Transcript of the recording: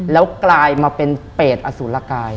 แล้วกลายมาเป็นเปรตอสุรกาย